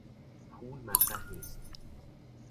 پول مطرح نیست.